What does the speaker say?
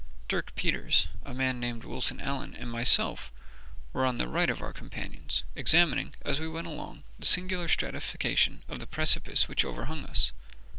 Dirk Peters, a man named Wilson Allen, and myself were on the right of our companions, examining, as we went along, the singular stratification of the precipice which overhung us.